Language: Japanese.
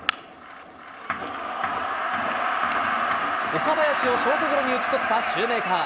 岡林をショートゴロに打ち取ったシューメーカー。